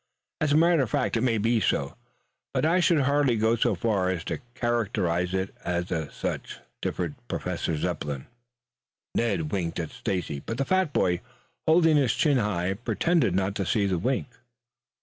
As a matter of fact, it may be so, but I should hardly go so far as to characterize it as such," differed Professor Zepplin. Ned winked at Stacy, but the fat boy, holding his chin high, pretended not to see the wink.